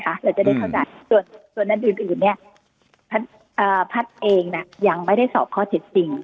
ด้านด้านอื่นอื่นเนี้ยภัทรเองน่ะยังไม่ได้สอบข้อเฉ็ดสิ่ง